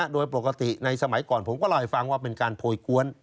โดยปกติในสมัยก่อนผมก็เล่าให้ฟังว่าเป็นการโพยกวน